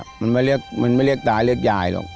พ่อเรียกแม่แหละมันไม่เรียกตาเรียกยายหรอก